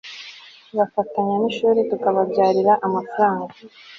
bafatanya n'ishuri tukababyarira amafaranga